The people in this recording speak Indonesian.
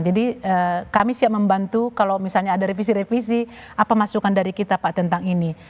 jadi kami siap membantu kalau misalnya ada revisi revisi apa masukan dari kita pak tentang ini